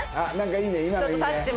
いいね！